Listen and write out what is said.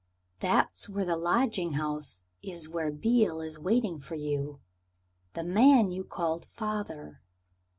That's where the lodging house is where Beale is waiting for you the man you called father.